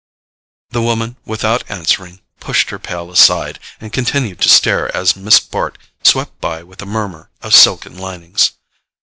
The woman, without answering, pushed her pail aside, and continued to stare as Miss Bart swept by with a murmur of silken linings.